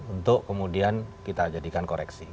untuk kemudian kita jadikan koreksi